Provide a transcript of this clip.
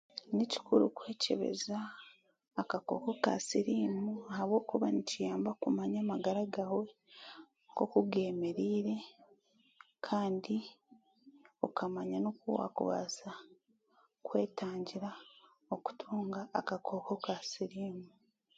N kikuru kwekyebeza akakooko ka siriimu ahabwokuba nikiyamba kumanya oku amagara gaawe g'emereire kandi okamanya n'okuwaakubaasa kwetangira okutunga akokooko ka siriimu